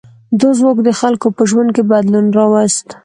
دا ځواک د خلکو په ژوند کې بدلون راوست.